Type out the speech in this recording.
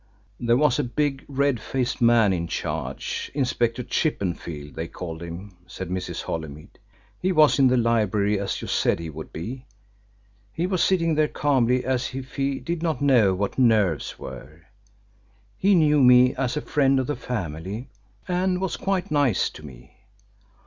"There was a big red faced man in charge Inspector Chippenfield, they called him," said Mrs. Holymead. "He was in the library as you said he would be he was sitting there calmly as if he did not know what nerves were. He knew me as a friend of the family and was quite nice to me.